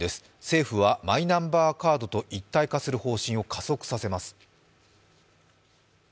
政府はマイナンバーカードと一体化する方針を加速させます。